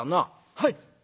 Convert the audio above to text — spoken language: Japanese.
「はい」。